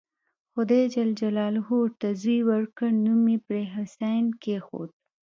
خدای ج ورته زوی ورکړ نوم یې پرې حسین کېښود.